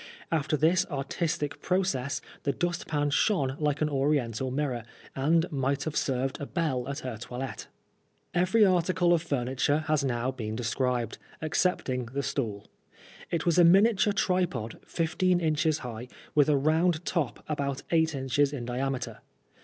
After this artistic process the dust pan shone like an oriental mirror, and might have served a belle at her toilette. Every article of furniture has now been described, excepting the stool. It was a miniature tripod, fifteen inches high, with a round top about eight inches in diameter.